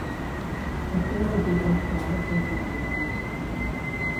La seva vida enclaustrada fou tranquil·la.